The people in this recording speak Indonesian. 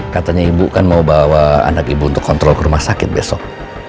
katanya ibu kan mau bawa anak ibu untuk kontrol ke rumah sakit besok